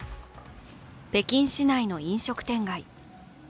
北京市内の飲食店街。